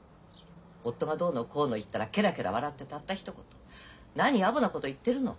夫がどうのこうの言ったらケラケラ笑ってたったひと言「何やぼなこと言ってるの。